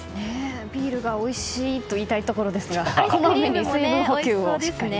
ビールがおいしいと言いたいところですがこまめに水分補給を。